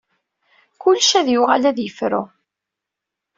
Kullec ad yuɣal ad yefru.